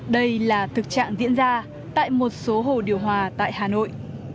đây là thực trạng diễn ra tại một số hồ điều hòa tại hà nội